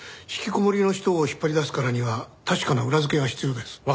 引きこもりの人を引っ張り出すからには確かな裏付けが必要です。